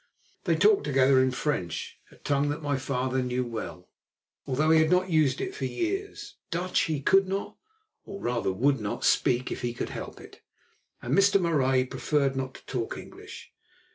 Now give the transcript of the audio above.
They talked together in French, a tongue that my father knew well, although he had not used it for years; Dutch he could not, or, rather, would not, speak if he could help it, and Mr. Marais preferred not to talk English.